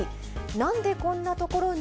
なんでこんな所に？